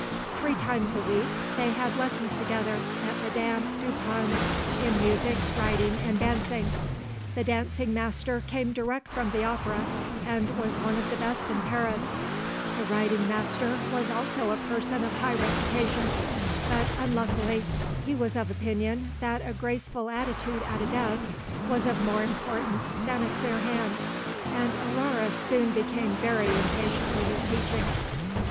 Three times a week they had lessons together at Madame Dupin's in music, writing, and dancing. The dancing master came direct from the opera, and was one of the best in Paris; the writing master was also a person of high reputation, but unluckily he was of opinion that a graceful attitude at a desk was of more importance than a clear hand, and Aurore soon became very impatient with his teaching.